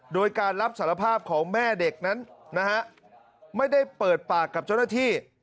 โดยการรับสารภาพของแม่เด็กนั้นนะฮะไม่ได้เปิดปากกับเจ้าหน้าที่